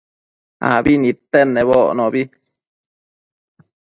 abi nidtenedbocnobi